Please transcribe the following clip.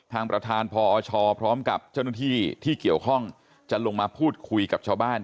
ทางประธานพอชพร้อมกับเจ้าหน้าที่ที่เกี่ยวข้องจะลงมาพูดคุยกับชาวบ้าน